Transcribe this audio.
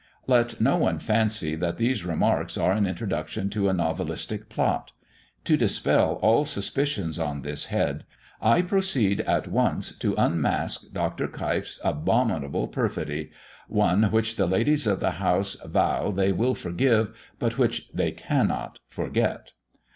Let no one fancy that these remarks are an introduction to a novellistic plot. To dispel all suspicions on this head, I proceed at once to unmask Dr. Keif's abominable perfidy one which the ladies of the house vow they will forgive, but which they cannot forget.